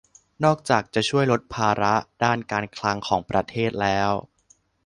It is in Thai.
นอกจากจะช่วยลดภาระด้านการคลังของประเทศแล้ว